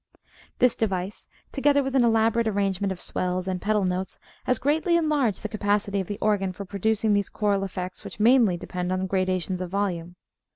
This device, together with an elaborate arrangement of swells and pedal notes, has greatly enlarged the capacity of the organ for producing those choral effects which mainly depend upon gradations of volume.